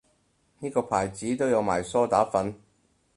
呢個牌子都有賣梳打粉